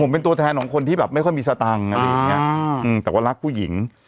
เป็นตัวแทนของคนที่แบบไม่ค่อยมีสตังค์อะไรอย่างนี้แต่ว่ารักผู้หญิง